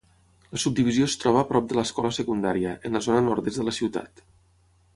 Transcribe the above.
La subdivisió es troba prop de l'escola secundària, en la zona nord-est de la ciutat.